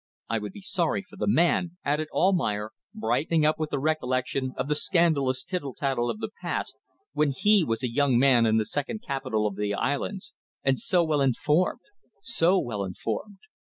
I would be sorry for the man," added Almayer, brightening up with the recollection of the scandalous tittle tattle of the past, when he was a young man in the second capital of the Islands and so well informed, so well informed.